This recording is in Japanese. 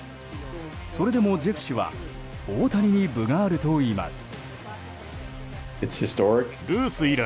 それでも、ジェフ氏は大谷に分があるといいます。